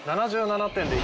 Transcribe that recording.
７７点で。